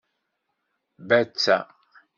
Batta